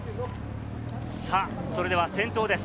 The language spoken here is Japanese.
それでは先頭です。